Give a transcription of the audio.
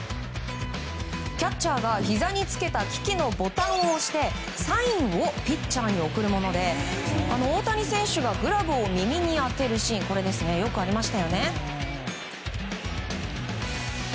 キャッチャーがひざにつけた機器のボタンを押してサインをピッチャーに送るもので大谷選手がグラブを耳に当てるシーン、よくありました。